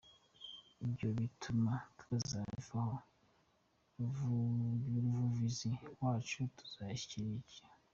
Ibyo bituma tutazayivaho n’ubuvivi bwacu buzayishyigikira.